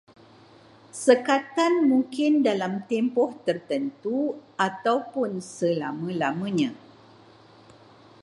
Sekatan mungkin dalam tempoh tertentu ataupun selama-lamanya